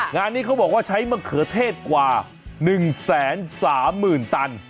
งานนี้เขาบอกว่าใช้มะเขือเทศกว่า๑๓๐๐๐ตัน